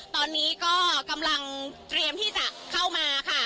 ตอนนี้ก็กำลังเตรียมที่จะเข้ามาค่ะ